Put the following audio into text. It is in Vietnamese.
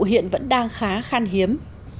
hiện vẫn đang khá khan hiếm